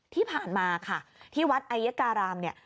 ที่ผ่านมาค่ะที่วัดไอยการามเนี่ย